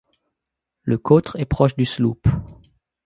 Le cotre est proche du sloop.